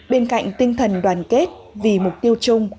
bên cạnh tinh thần đoàn kết vì mục tiêu chung